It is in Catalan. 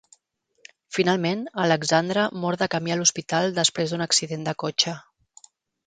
Finalment, Alexandre mor de camí a l'hospital després d'un accident de cotxe.